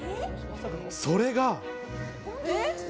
それが。